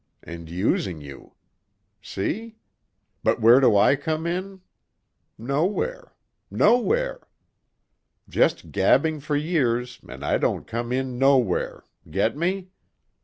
And using you. See? But where do I come in? Nowhere ... nowhere. Just gabbing for years and I don't come in nowhere.... Get me?